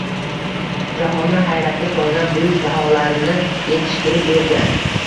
Jahonni hayratga solgan buyuk daholarni yetishtirib bergan